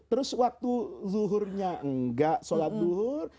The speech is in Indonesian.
terus waktu zuhurnya enggak sholat duhur